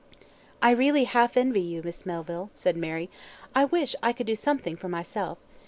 "I really half envy you, Miss Melville," said Mary. "I wish I could do something for myself.